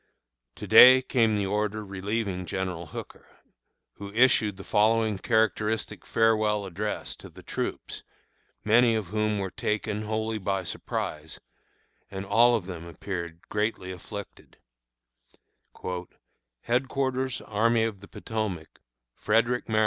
To day came the order relieving General Hooker, who issued the following characteristic farewell address to the troops, many of whom were taken, wholly by surprise, and all of them appeared greatly afflicted: HEADQUARTERS ARMY OF THE POTOMAC, Frederick, Md.